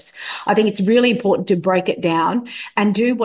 saya pikir itu sangat penting untuk memisahkannya